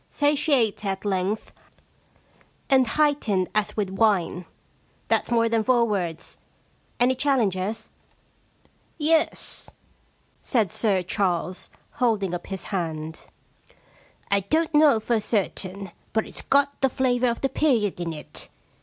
Satiate at length, and heightened as with wine." That's more than four words. Any challengers ?'* Yes,* said Sir Charles, holding up his hand. * I don't know for certain, but it's got the flavour of the period in it.